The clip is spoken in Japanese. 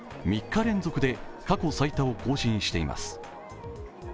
３日連続で過去最多を更新しています。